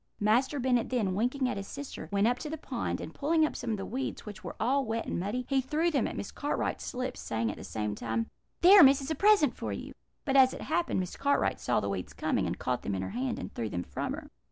"Master Bennet then, winking at his sister, went up to the pond, and pulling up some of the weeds, which were all wet and muddy, he threw them at Miss Cartwright's slip, saying, at the same time: "'There, Miss, there is a present for you.' "But, as it happened, Miss Cartwright saw the weeds coming, and caught them in her hand, and threw them from her.